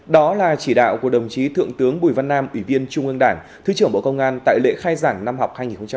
đó là chỉ đạo của đồng chí thượng tướng bùi văn nam ủy viên trung ương đảng thứ trưởng bộ công an tại lễ khai giảng năm học hai nghìn một mươi tám hai nghìn một mươi chín